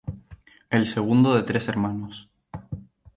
El segundo de tres hermanos.